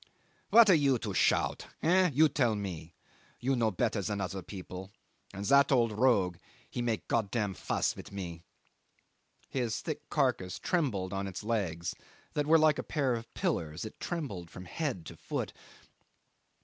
"What are you to shout? Eh? You tell me? You no better than other people, and that old rogue he make Gottam fuss with me." His thick carcass trembled on its legs that were like a pair of pillars; it trembled from head to foot.